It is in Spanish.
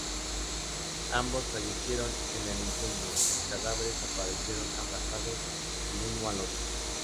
Ambos fallecieron en el incendio; sus cadáveres aparecieron abrazados el uno al otro.